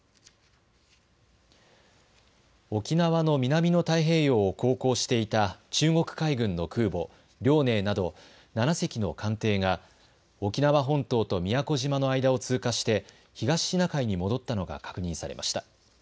沖縄の南の太平洋を航行していた中国海軍の空母、遼寧など７隻の艦艇が沖縄本島と宮古島の間を通過して東シナ海に戻ったのが確認されました。